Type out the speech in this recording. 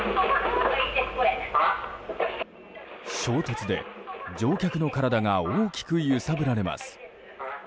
衝突で、乗客の体が大きく揺さぶられます。